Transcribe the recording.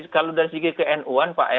kalau dari sisi ke nu an pak erick